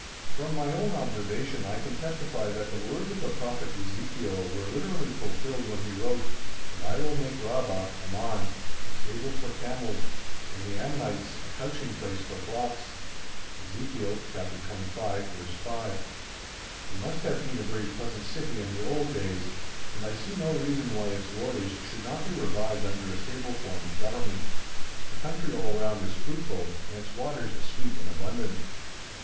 From my own observation I can testify that the words of the Prophet Ezekiel were literally fulfilled when he wrote: "And I will make Rabbah (Ammon) a stable for camels, and the Ammonites a couching place for flocks." (Ezekiel, Chap. XXV. verse 5.) It must have been a very pleasant city in the old days, and I see no reason why its glories should not be revived under a stable form of Government. The country all round is fruitful and its waters sweet and abundant.